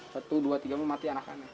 satu dua tiga mau mati anakannya